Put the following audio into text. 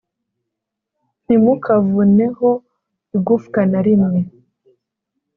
Ntimukavuneho Igufwa Na Rimwe